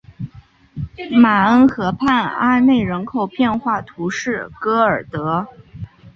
马恩河畔阿内人口变化图示戈尔德